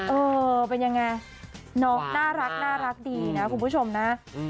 เออเป็นยังไงน้องน่ารักดีนะคุณผู้ชมนะ